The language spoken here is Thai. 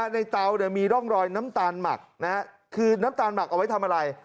เตามีร่องรอยน้ำตาลหมักคือน้ำตาลหมักเอาไว้ทำอะไร